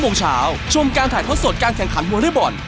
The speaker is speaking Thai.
๙โมงเช้าชมการถ่ายทอดสดการแข่งขันฮัวเรย์บอร์น